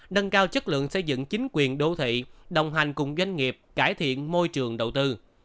nâng cao chất lượng xây dựng chính quyền đô thị đồng hành cùng doanh nghiệp cải thiện môi trường đầu tư